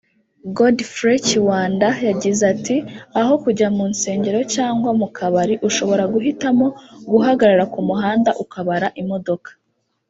Godfrey Kiwanda yagize ati “Aho kujya mu nsengero cyangwa mu kabari ushobora guhitamo guhagarara ku muhanda ukabara imodoka